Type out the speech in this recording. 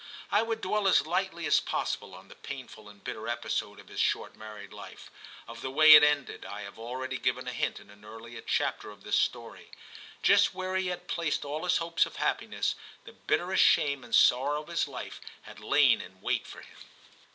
I would dwell as lightly as possible on the painful and bitter episode of his short married life ; of the way it ended I have already given a hint in an earlier chapter of this story. Just where he had placed all his hopes of happiness, the bitter est shame and sorrow of his life had lain in wait for him.